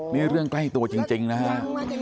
นี่เรื่องใกล้ตัวจริงนะฮะ